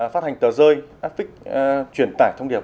phát hành tờ rơi áp vích truyền tải thông điệp